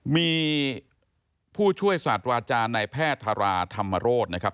มีผู้ช่วยศาสตราจารย์นายแพทย์ธาราธรรมโรธนะครับ